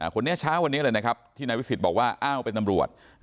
คนนี้เช้าวันนี้เลยนะครับที่นายวิสิทธิ์บอกว่าอ้าวเป็นตำรวจ